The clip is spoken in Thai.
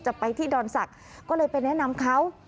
จะไปที่ดอนศักดิ์ก็เลยไปแนะนำเขา